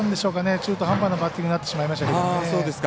中途半端なバッティングになってしまいましたけどもね。